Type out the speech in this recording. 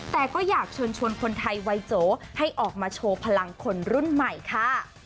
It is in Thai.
แต่ก็อยากเชิญชวนคนไทยวัยโจให้ออกมาโชว์พลังคนรุ่นใหม่ค่ะ